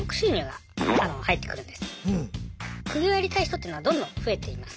副業やりたい人っていうのはどんどん増えています。